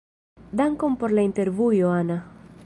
Dankon por la intervjuo, Ana.